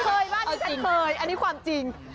คุณเคยบ้างดิฉันเคยอันนี้ความจริง